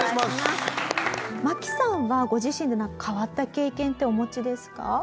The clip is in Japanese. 真木さんはご自身で何か変わった経験ってお持ちですか？